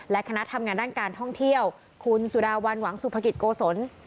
และคณะทำงานด้านการท่องเที่ยวคุณสุดาวันหวังสุภกิจโกศล